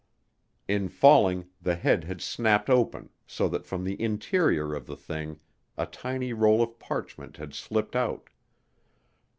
In falling the head had snapped open so that from the interior of the thing a tiny roll of parchment had slipped out.